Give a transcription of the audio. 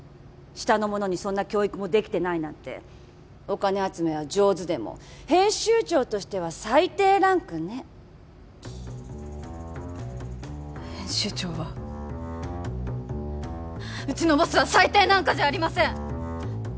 下の者にそんな教育もできてないなんてお金集めは上手でも編集長としては最低ランクね編集長はうちのボスは最低なんかじゃありません！